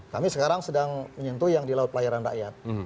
kami sekarang sedang menyentuh yang di laut pelayaran rakyat